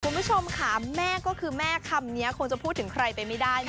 คุณผู้ชมค่ะแม่ก็คือแม่คำนี้คงจะพูดถึงใครไปไม่ได้นะคะ